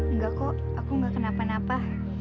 enggak kok aku nggak kenapa napa